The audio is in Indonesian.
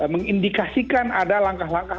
mengindikasikan ada langkah langkah